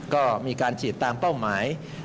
ก็มีการฉีดตามเป้าหมาย